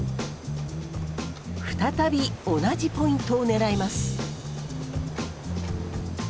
再び同じポイントを狙います。